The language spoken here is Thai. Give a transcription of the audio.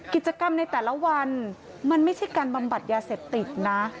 กิจกรรมในแต่ละวันมันไม่ใช่การบำบัดยาเสพติดนะ